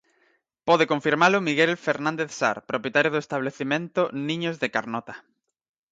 Pode confirmalo Miguel Fernández Sar, propietario do estabelecemento Niños de Carnota.